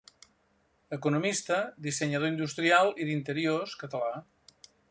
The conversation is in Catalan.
Economista, dissenyador industrial i d'interiors català.